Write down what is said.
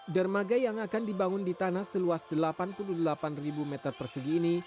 dermaga yang akan dibangun di tanah seluas delapan puluh delapan meter persegi ini